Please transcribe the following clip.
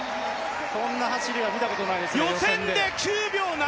こんな走りは見たことないです。